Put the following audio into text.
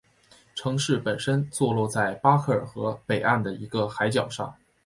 城市本身坐落在巴克尔河北岸的一个海角上。